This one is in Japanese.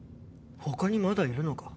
他にまだいるのか？